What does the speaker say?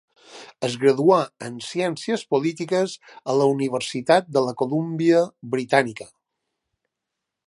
Es graduà en Ciències Polítiques a la Universitat de la Colúmbia Britànica.